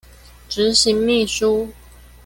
執行秘書